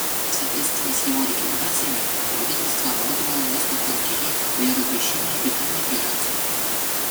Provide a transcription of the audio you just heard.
В соответствии с его рекомендациями правительство оборудовало несколько лагерей для размещения и питания беженцев.